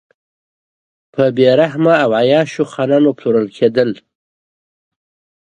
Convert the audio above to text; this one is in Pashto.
په بې رحمه او عیاشو خانانو پلورل کېدل.